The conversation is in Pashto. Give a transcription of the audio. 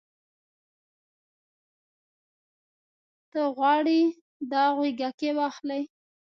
ته غواړې دا غوږيکې واخلې؟